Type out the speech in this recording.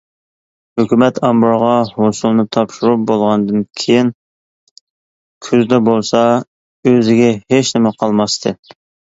ھۆكۈمەت ئامبىرىغا ھوسۇلنى تاپشۇرۇپ بولغاندىن كېيىن، كۈزدە بولسا ئۆزىگە ھېچنېمە قالماستى.